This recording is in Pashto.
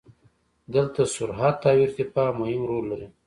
دلته سرعت او ارتفاع مهم رول لري.